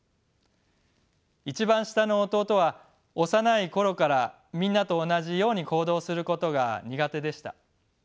一番下の弟は幼い頃からみんなと同じように行動することが苦手でした。